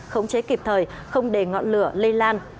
khống chế kịp thời không để ngọn lửa lây lan